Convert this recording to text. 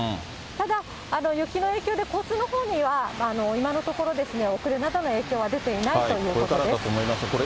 ただ雪の影響で交通のほうには今のところ、遅れなどの影響は出ていないということです。